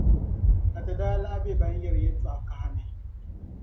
Ka ti daa lahi be ban yɛri yɛltɔɣa kaha ni.”